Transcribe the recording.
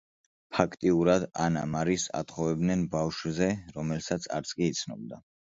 ფაქტიურად ანა მარის ათხოვებდნენ ბავშვზე, რომელსაც არც კი იცნობდა.